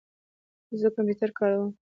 زه کمپیوټر کاروم